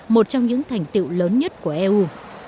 một trong những thành tựu lớn nhất của eu